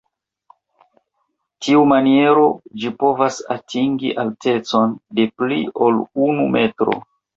Tiumaniero ĝi povas atingi altecon de pli ol unu metro.